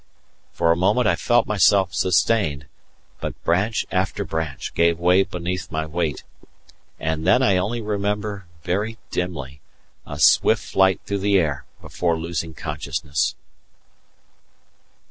For a moment I felt myself sustained; but branch after branch gave way beneath my weight, and then I only remember, very dimly, a swift flight through the air before losing consciousness.